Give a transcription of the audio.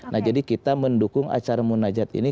nah jadi kita mendukung acara munajat ini